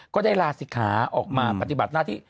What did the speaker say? ก็ได้ลาศิกขาออกมาปฏิบัติหน้าที่